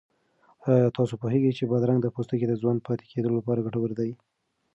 آیا تاسو پوهېږئ چې بادرنګ د پوستکي د ځوان پاتې کېدو لپاره ګټور دی؟